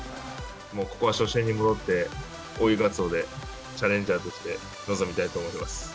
ここは初心に戻って、追いガツオで、チャレンジャーとして、臨みたいと思います。